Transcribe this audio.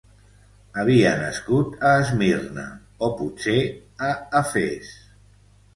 Havia nascut a Esmirna, o potser a Efes.